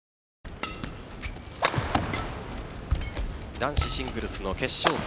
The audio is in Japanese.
男子シングルスの決勝戦